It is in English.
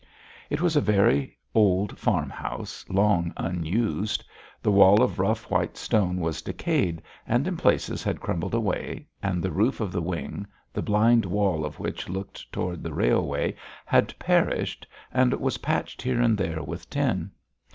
It was a very old farmhouse, long unused. The wall of rough, white stone was decayed, and in places had crumbled away, and the roof of the wing, the blind wall of which looked toward the railway, had perished, and was patched here and there with tin.